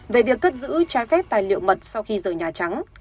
về việc cất giữ trái phép tài liệu mật sau khi rời nhà trắng